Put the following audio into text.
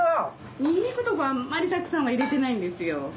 ニンニクとかあんまりたくさんは入れてないんですよ。